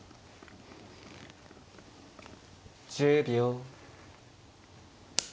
１０秒。